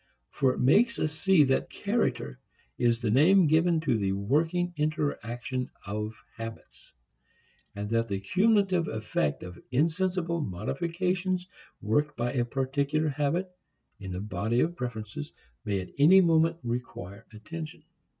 For it makes us see that character is the name given to the working interaction of habits, and that the cumulative effect of insensible modifications worked by a particular habit in the body of preferences may at any moment require attention.